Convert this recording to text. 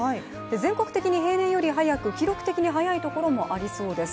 全国的に平年より早く記録的に早いところもありそうです。